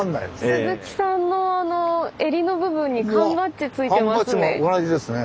鈴木さんの襟の部分に缶バッジついてますね。